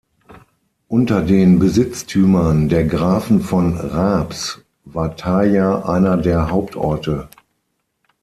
Unter den Besitztümern der Grafen von Raabs war Thaya einer der Hauptorte.